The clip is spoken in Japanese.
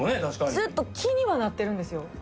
確かにずっと気にはなってるんですよ